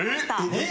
えっ！？